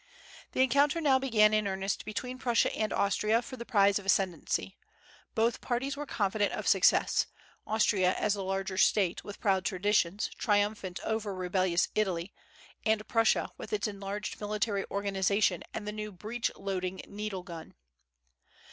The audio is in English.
The encounter now began in earnest between Prussia and Austria for the prize of ascendency. Both parties were confident of success, Austria as the larger State, with proud traditions, triumphant over rebellious Italy; and Prussia, with its enlarged military organization and the new breech loading needle gun.